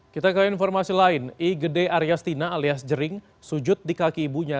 kita ke informasi lain i gede aryastina alias jering sujud di kaki ibunya